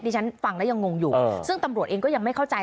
ที่ฉันฟังแล้วยังงงอยู่ซึ่งตำรวจเองก็ยังไม่เข้าใจ